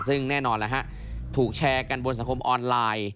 ซึ่งแน่นอนแล้วฮะถูกแชร์กันบนสังคมออนไลน์